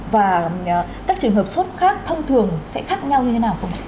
và các trường hợp sốt khác thông thường sẽ khác nhau như thế nào không ạ